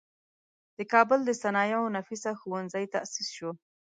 د کابل د صنایعو نفیسه ښوونځی تاسیس شو.